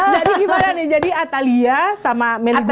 jadi gimana nih jadi atalia sama meli guslo